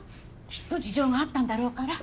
きっと事情があったんだろうから。